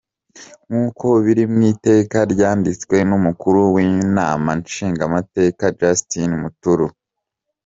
Nk'uko biri mw'ikete ryanditswe n'umukuru w'inama nshingamateka Justin Muturi.